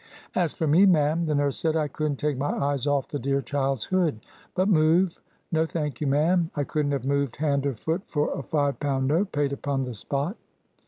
"As for me, ma'am," the nurse said, "I couldn't take my eyes off the dear child's hood. But move,—no thank you, ma'am,—I couldn't have moved hand or foot for a five pound note, paid upon the spot."